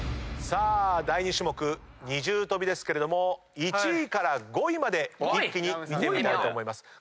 さあ第２種目二重跳びですけれども１位から５位まで一気に見てみたいと思います。